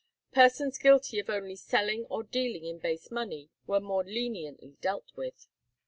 Persons guilty of only selling or dealing in base money were more leniently dealt with.